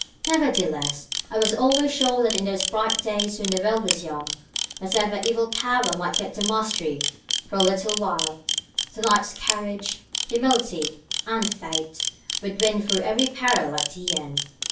Nevertheless, I was always sure that in those bright days when the world was young, whatever evil power might get the mastery for a little while, the knight's courage, humility, and faith would win through every peril at the end.